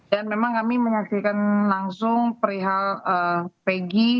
dan memang kami menyaksikan langsung perihal peggy